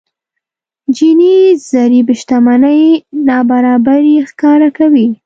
جيني ضريب شتمنۍ نابرابري ښکاره کوي.